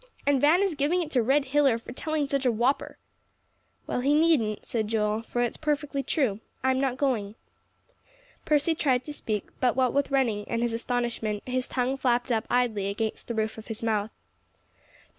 "And Van is giving it to Red Hiller for telling such a whopper." "Well, he needn't," said Joel, "for it's perfectly true. I'm not going." Percy tried to speak; but what with running, and his astonishment, his tongue flapped up idly against the roof of his mouth. "Dr.